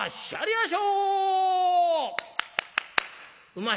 「うまい」。